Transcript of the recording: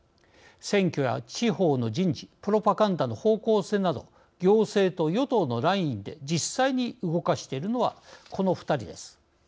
選挙や地方の人事プロパガンダの方向性など行政と与党のラインで実際に動かしているのはこの２人です。